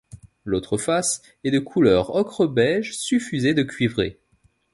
L'autre face est de couleur ocre beige suffusé de cuivré.